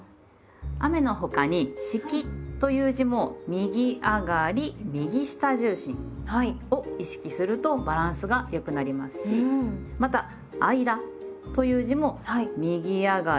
雨の他に「式」という字も「右上がり右下重心」を意識するとバランスが良くなりますしまた「間」という字も右上がり。